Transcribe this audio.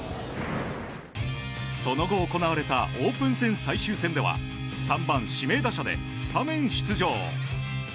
その後、行われたオープン戦最終戦では３番指名打者でスタメン出場。